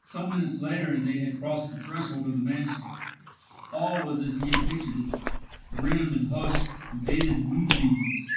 Some minutes later and they had crossed the threshold of the mansion. All was as he had pictured it grim and hushed, and bathed in moonbeams.